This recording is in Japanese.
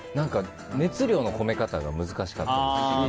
熱量の込め方が難しかったり。